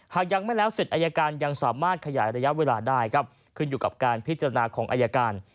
หากยังไม่แล้วเสร็จอายการยังสามารถขยายระยะเวลาได้ครับขึ้นอยู่กับการพิจารณาของอายการ